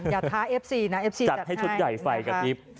อย่าท้าเอฟซีนะเอฟซีจัดให้จัดให้ชุดใหญ่ไฟกับอีฟ